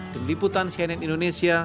tim liputan cnn indonesia